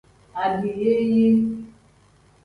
Adiyeeye.